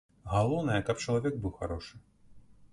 Галоўнае, каб чалавек быў харошы!